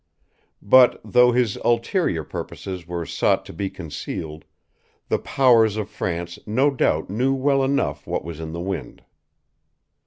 But, though his ulterior purposes were sought to be concealed, the powers of France no doubt knew well enough what was in the wind.